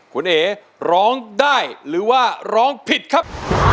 คุณเอ๋ร้องได้หรือว่าร้องผิดครับ